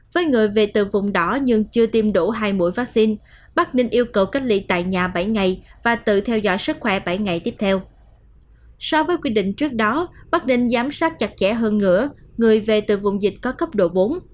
so với quy định trước đó bắc đinh giám sát chặt chẽ hơn ngửa người về từ vùng dịch có cấp độ bốn